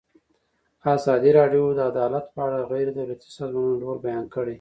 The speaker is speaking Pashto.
ازادي راډیو د عدالت په اړه د غیر دولتي سازمانونو رول بیان کړی.